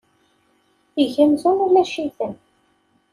Eg amzun ulac-iten.